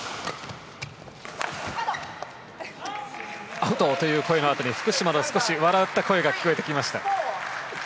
アウトという声のあとに福島の笑った声が聞こえてきました。